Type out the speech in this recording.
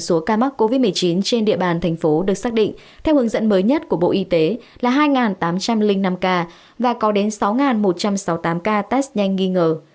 số ca mắc covid một mươi chín trên địa bàn thành phố được xác định theo hướng dẫn mới nhất của bộ y tế là hai tám trăm linh năm ca và có đến sáu một trăm sáu mươi tám ca test nhanh nghi ngờ